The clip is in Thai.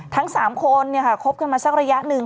ทั้งสามคนเนี่ยค่ะคบขึ้นมาสักระยะหนึ่ง